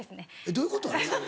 どういうこと？